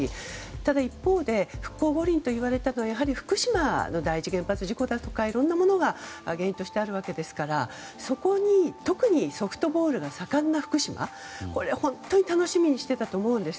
ただ、一方で復興五輪といわれた場合福島の第一原発事故だとかいろんなものが原因としてあるわけですから、そこに特にソフトボールが盛んな福島これは本当に楽しみにしていたと思うんです。